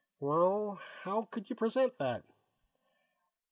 "Well, how could you present that?"